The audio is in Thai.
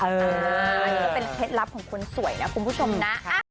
อันนี้ก็เป็นเคล็ดลับของคนสวยนะคุณผู้ชมนะ